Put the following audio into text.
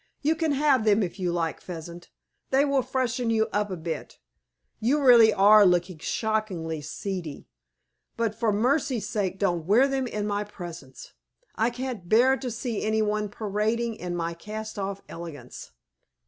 You can have them if you like, Pheasant. They will freshen you up a bit; you really are looking shockingly seedy. But for mercy's sake don't wear them in my presence! I can't bear to see any one parading in my cast off elegance."